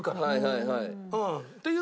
はいはいはい。